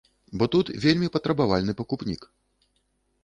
Бо тут вельмі патрабавальны пакупнік.